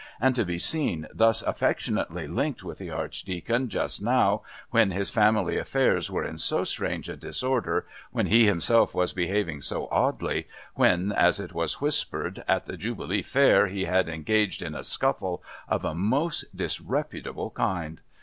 And to be seen thus affectionately linked with the Archdeacon just now, when his family affairs were in so strange a disorder, when he himself was behaving so oddly, when, as it was whispered, at the Jubilee Fair he had engaged in a scuffle of a most disreputable kind.